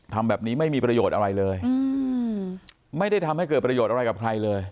ทำแบบนี้ไม่มีประโยชน์อะไรเลยไม่ได้ทำให้เกิดประโยชน์อะไรกับใครเลย